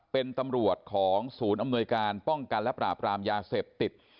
เป็นตำรวจของศูนย์อำนวยการป้องกันและปราบรามยาเสพติด